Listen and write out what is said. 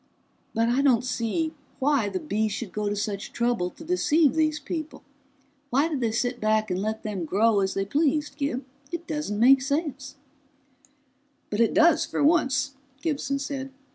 "But I don't see why the Bees should go to such trouble to deceive these people. Why did they sit back and let them grow as they pleased, Gib? It doesn't make sense!" "But it does, for once," Gibson said.